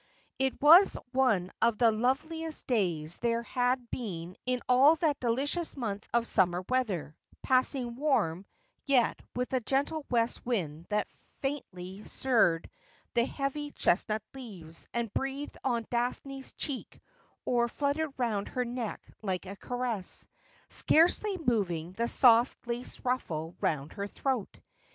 It was one of the loveliest days there had been in all that delicious month of summer weather — passing warm, yet with a gentle west wind that faintly stirred the heavy chestnut leaves, and breathed on Daphne's cheek, or fluttered round her neck like a caress, scarcely moving the soft lace ruffle round her throat.